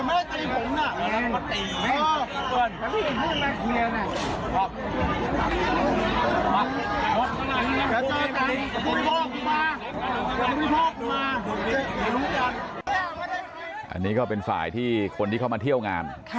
อันนี้ก็เป็นฝ่ายที่คนที่เข้ามาเที่ยวงาน